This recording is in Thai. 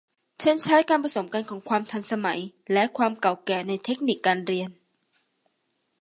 ฉันใช้การผสมกันของความทันสมัยและความเก่าแก่ในเทคนิคการเรียน